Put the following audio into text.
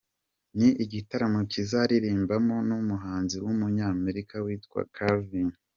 Ni igitaramo kizaririmbamo n'umuhanzi w'umunyamerika witwa Calvin.